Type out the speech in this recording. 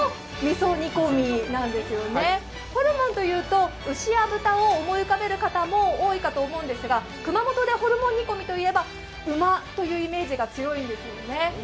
ホルモンというと牛や豚を思い浮かべる方も多いと思いますが、熊本でホルモン煮込みといえば馬というイメージが強いんですよね。